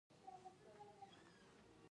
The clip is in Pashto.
حقوق پوه دي په دولتي چوکاټ کي کار وکي.